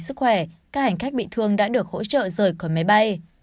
sức khỏe các hành khách bị thương đã được hỗ trợ rời khỏi máy bay